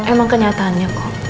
emang kenyataannya kok